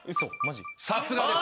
さすがです！